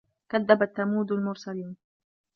كَذَّبَت ثَمودُ المُرسَلينَ